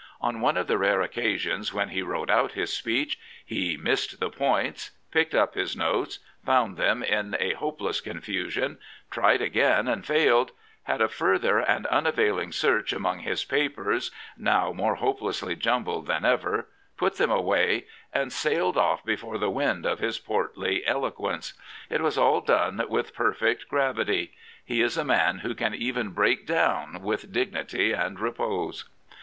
On one of the rare occasions when he wrote out his speech he missed the points," picked up his notes, found them in a hopeless confusion, tried again and failed, had a further and unavailing search among his papers, now more hopelessly jumbled than ever, put them away, and sailed off before the wind of his gortly eloquence. It was all done with perfect gravity. He is a man who can even break down with dignity and repose.